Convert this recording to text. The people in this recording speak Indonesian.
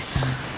aku juga gak tahu